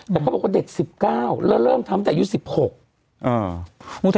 แต่เขาบอกว่าเด็ก๑๙แล้วเริ่มทำแต่อายุ๑๖